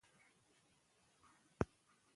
له یوه کلي تر بل به ساعتونه